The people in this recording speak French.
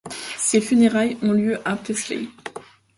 Ses funérailles ont lieu à Paisley.